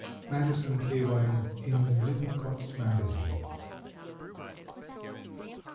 —Madison Cawein, in Lippincott's Magazine.